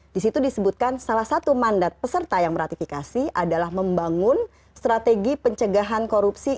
di situ disebutkan salah satu mandat peserta yang meratifikasi adalah membangun strategi pencegahan korupsi